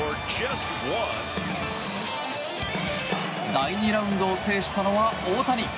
第２ラウンドを制したのは大谷。